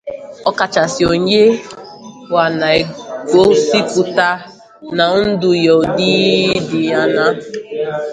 ọkachasị onye ọ na-egosipụta na ndụ ya n'ụdị dị añaa